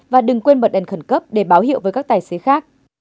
và đừng quên bật đèn khẩn cấp để báo hiệu với các tài xế khác